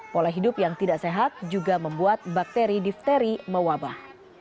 pola hidup yang tidak sehat juga membuat bakteri difteri mewabah